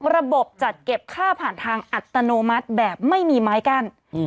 ระบบจัดเก็บค่าผ่านทางอัตโนมัติแบบไม่มีไม้กั้น